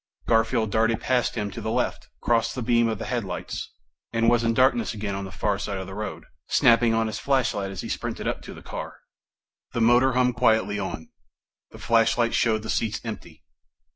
Garfield darted past him to the left, crossed the beam of the headlights, and was in darkness again on the far side of the road, snapping on his flashlight as he sprinted up to the car. The motor hummed quietly on. The flashlight showed the seats empty.